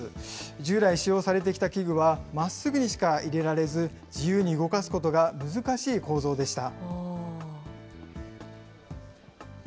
従来使用されてきた器具はまっすぐにしか入れられず、自由に動かすことが難しい構造でした。